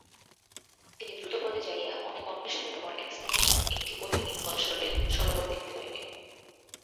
তিনি দ্রুতপদে যাইয়া অনেক অন্বেষণের পর একস্থানে একটি অতি নির্মলসলিল সরোবর দেখিতে পাইলেন।